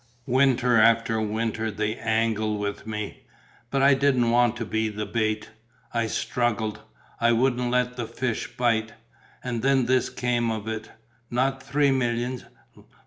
Winter after winter, they angled with me. But I didn't want to be the bait, I struggled, I wouldn't let the fish bite. And then this came of it. Not three millions.